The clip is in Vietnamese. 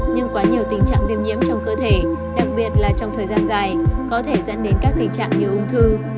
nhưng quá nhiều tình trạng viêm nhiễm trong cơ thể đặc biệt là trong thời gian dài có thể dẫn đến các tình trạng như ung thư